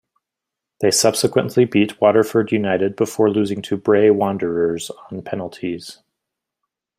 They subsequently beat Waterford United before losing to Bray Wanderers on penaltes.